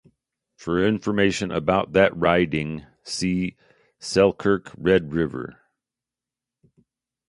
For information about that riding, see Selkirk-Red River.